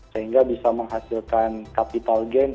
sehingga bisa menghasilkan capital game